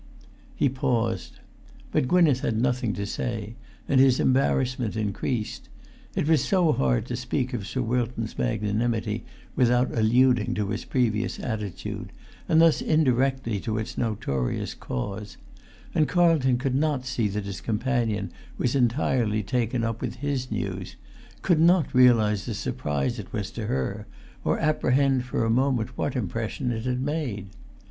He paused. But Gwynneth had nothing to say, and his embarrassment increased. It was so hard to speak of Sir Wilton's magnanimity without alluding to his previous attitude, and thus indirectly to its notorious cause; and Carlton could not see that his companion was entirely taken up with his news, could not realise the surprise it was to her, or apprehend for a moment what impression it had made.